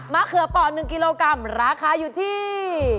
เขือป่อ๑กิโลกรัมราคาอยู่ที่